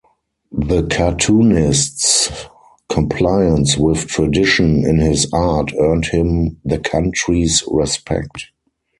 The cartoonist's compliance with tradition in his art earned him the country's respect.